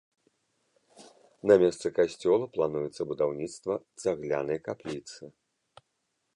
На месцы касцёла плануецца будаўніцтва цаглянай капліцы.